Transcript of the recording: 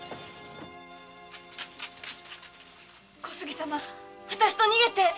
小杉様私と逃げて。